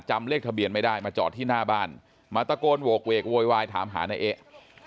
เลขทะเบียนไม่ได้มาจอดที่หน้าบ้านมาตะโกนโหกเวกโวยวายถามหานายเอ๊ะ